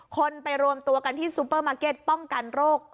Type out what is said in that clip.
คนไปรวมตัวกันที่ซูเปอร์มาร์เก็ตป้องกันโรค